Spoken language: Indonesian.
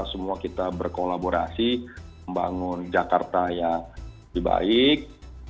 semua kita berkolaborasi membangun jakarta yang lebih baik